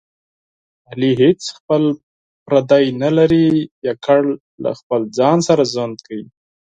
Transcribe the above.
علي هېڅ خپل پردی نه لري، یوازې له خپل ځان سره ژوند کوي.